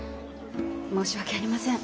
申し訳ありません。